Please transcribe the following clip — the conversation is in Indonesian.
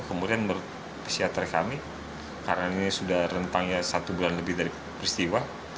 kemudian menurut psikiater kami karena ini sudah rentangnya satu bulan lebih dari peristiwa